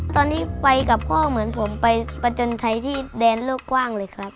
ตอนนี้ไปกับพ่อเหมือนผมไปประจนไทยที่แดนโลกกว้างเลยครับ